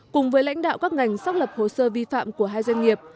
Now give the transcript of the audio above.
cùng với lãnh đạo các ngành xác lập hồ sơ vi phạm của hai doanh nghiệp